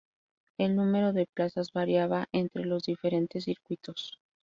El número de plazas variaba entre los diferentes circuitos.